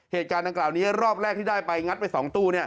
เหตุการณ์ดังกล่าวนี้รอบแรกที่ได้ไปงัดไป๒ตู้